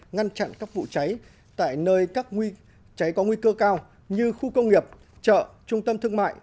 ngăn chặn các vụ cháy tại nơi các nguy cơ cao như khu công nghiệp chợ trung tâm thương mại